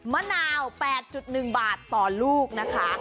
มะนาว๘๑บาทต่อลูกนะคะ